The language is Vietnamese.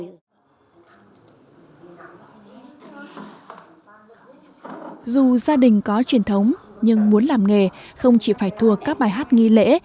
dù gia đình có truyền thống nhưng muốn làm nghề không chỉ phải thua các bài hát nghi lễ